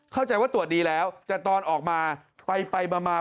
เข้าใจว่าตรวจดีแล้วแต่ตอนออกมาไปมา